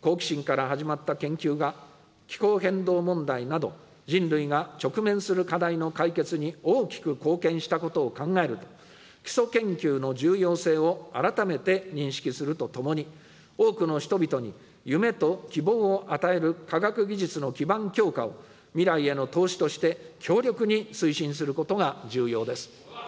好奇心から始まった研究が、気候変動問題など、人類が直面する課題の解決に大きく貢献したことを考えると、基礎研究の重要性を改めて認識するとともに、多くの人々に夢と希望を与える科学技術の基盤強化を、未来への投資として強力に推進することが重要です。